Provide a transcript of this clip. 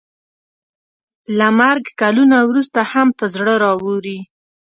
له مرګ کلونه وروسته هم په زړه راووري.